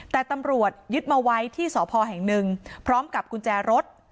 แต่ตำรวจยึดมาไว้ที่สพแห่งหนึ่งพร้อมกับกุญแจรถ